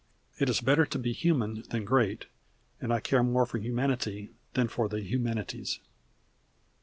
It is better to be human than great, and I care more for Humanity than for the Humanities.